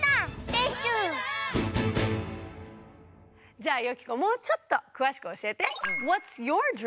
でしゅじゃあよき子もうちょっとくわしくおしえて！